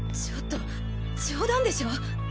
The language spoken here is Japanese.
ちょちょっと冗談でしょ？